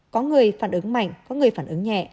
có người phản ứng mạnh có người phản ứng nhẹ